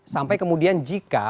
sampai kemudian jika